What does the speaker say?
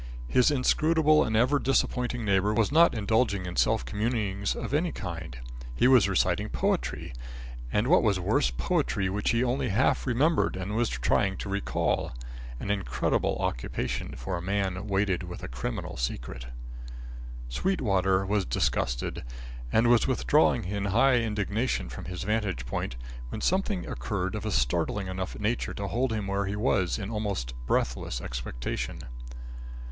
His inscrutable and ever disappointing neighbour was not indulging in self communings of any kind. He was reciting poetry, and what was worse, poetry which he only half remembered and was trying to recall; an incredible occupation for a man weighted with a criminal secret. Sweetwater was disgusted, and was withdrawing in high indignation from his vantage point when something occurred of a startling enough nature to hold him where he was in almost breathless expectation.